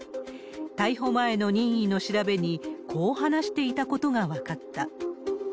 逮捕前の任意の調べに、こう話していたことが分かった。